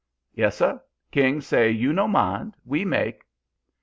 "'Yes, sir. King say you no mind, we make.'